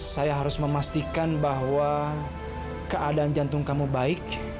saya harus memastikan bahwa keadaan jantung kamu baik